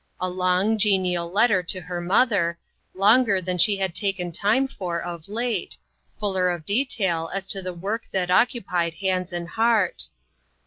A long, genial letter to her mother; longer than she had taken time for of late, 254 SPREADING NETS. . 2$$ fuller of detail as to the work that occu pied hands and heart.